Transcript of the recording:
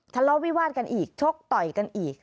ทะเลาะวิวาดกันอีกชกต่อยกันอีก